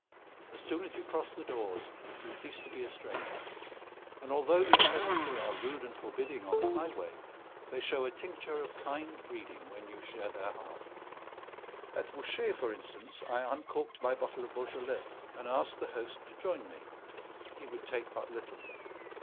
As soon as you cross the doors you cease to be a stranger; and although these peasantry are rude and forbidding on the highway, they show a tincture of kind breeding when you share their hearth. At Bouchet, for instance, I uncorked my bottle of Beaujolais, and asked the host to join me. He would take but little.